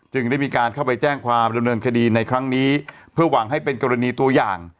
ได้มีการเข้าไปแจ้งความดำเนินคดีในครั้งนี้เพื่อหวังให้เป็นกรณีตัวอย่าง